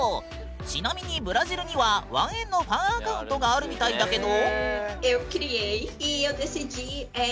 ちなみにブラジルにはワンエンのファンアカウントがあるみたいだけど。